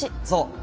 そう。